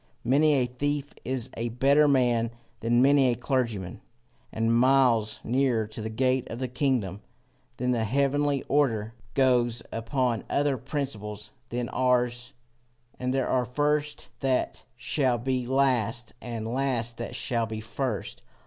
Many a thief is a better man than many a clergyman, and miles nearer to the gate of the kingdom. The heavenly order goes upon other principles than ours, and there are first that shall be last, and last that shall be first.